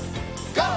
ＧＯ！